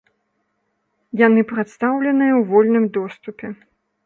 Яны прадстаўленыя ў вольным доступе.